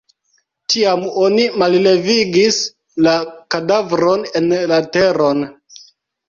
Tiam oni mallevigis la kadavron en la teron.